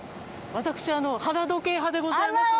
私は腹時計派でございます。